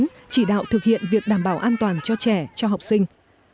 và hướng dẫn chỉ đạo thực hiện việc đảm bảo an toàn cho trẻ cho học sinh